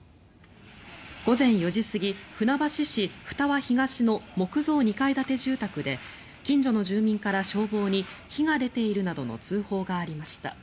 午前４時過ぎ、船橋市二和東の木造２階建て住宅で近所の住民から消防に火が出ているなどの通報がありました。